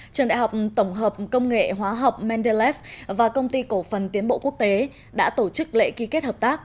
trường đại học tổng hợp công nghệ hóa học mendelev và công ty cổ phần tiến bộ quốc tế đã tổ chức lễ ký kết hợp tác